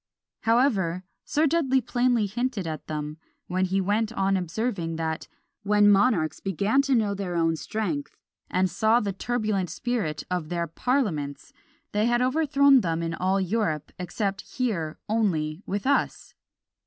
However, Sir Dudley plainly hinted at them, when he went on observing, that "when monarchs began to know their own strength, and saw the turbulent spirit of their parliaments, they had overthrown them in all Europe, except here only with us."